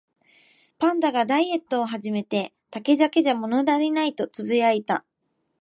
パンダがダイエットを始めて、「竹だけじゃ物足りない」とつぶやいた